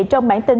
trong bản tin